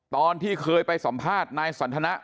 ตอนที่เคยไปสัมภาษณ์นายสันทนะ